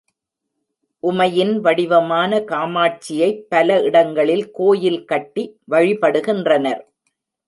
உமையின் வடிவமான காமாட்சியைப் பல இடங்களில் கோயில் கட்டி வழிபடுகின்றனர்.